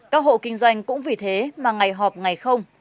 các hộ kinh doanh cũng vì thế mà ngày họp ngày không